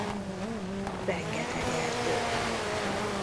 Rengeteg erdő.